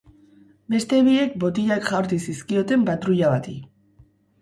Beste biek, botilak jaurti zizkioten patruila bati.